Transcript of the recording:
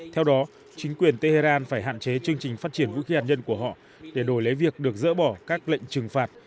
theo đó chính quyền tehran phải hạn chế chương trình phát triển vũ khí hạt nhân của họ để đổi lấy việc được dỡ bỏ các lệnh trừng phạt